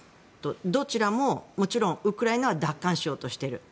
どちらも、ウクライナは奪還しようとしている。